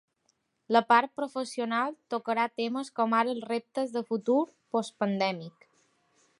La part professional tocarà temes com ara els reptes de futur postpandèmic.